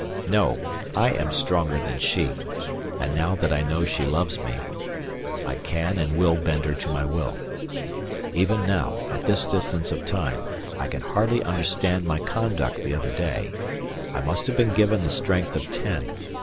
No! I am stronger than she, and, now that I know she loves me, I can and will bend her to my will. Even now, at this distance of time, I can hardly understand my conduct the other day. I must have been given the strength of ten.